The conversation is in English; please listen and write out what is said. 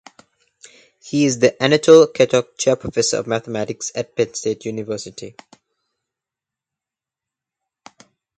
He is the Anatole Katok Chair professor of mathematics at Penn State University.